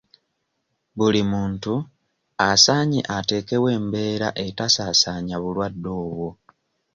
Buli muntu asaanye ateekewo embeera etasaasaanya bulwadde obwo.